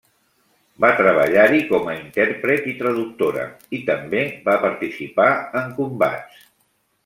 Va treballar-hi com a intèrpret i traductora, i també va participar en combats.